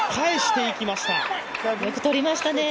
よく取りましたね！